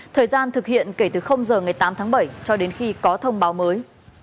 thời gian thực hiện kể từ giờ ngày tám tháng bảy cho đến khi có thông báo mới